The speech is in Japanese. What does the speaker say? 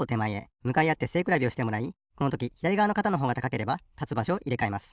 むかいあって背くらべをしてもらいこのときひだりがわのかたのほうが高ければたつばしょをいれかえます。